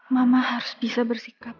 mama harus bisa bersikap tegas sama kamu